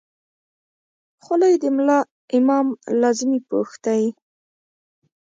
خولۍ د ملا امام لازمي پوښ دی.